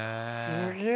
すげえ！